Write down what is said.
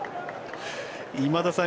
今田さん